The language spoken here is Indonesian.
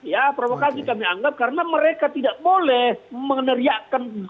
ya provokasi kami anggap karena mereka tidak boleh meneriakan